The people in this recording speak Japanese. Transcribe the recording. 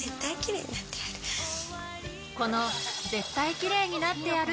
絶対きれいになってやる。